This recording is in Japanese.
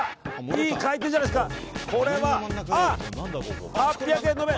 いい回転じゃないですか。